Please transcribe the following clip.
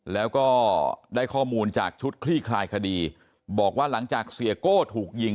แล้วก็ได้ข้อมูลจากชุดคลี่คลายคดีบอกว่าหลังจากเสียโก้ถูกยิง